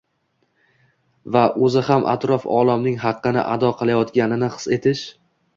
va o‘zi ham atrof olamning haqqini ado qilayotganini his etish